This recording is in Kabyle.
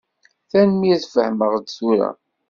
Tanemmirt, fehmeɣ-d tura.